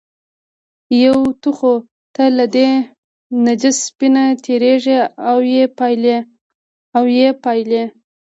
یو خو ته له دې نجس سپي نه تېرېږې او یې پالې.